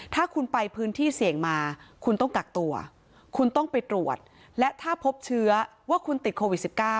ถ้าคุณไปพื้นที่เสี่ยงมาคุณต้องกักตัวคุณต้องไปตรวจและถ้าพบเชื้อว่าคุณติดโควิด๑๙